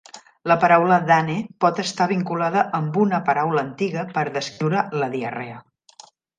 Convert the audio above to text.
La paraula 'Dane' pot estar vinculada amb una paraula antiga per descriure la diarrea.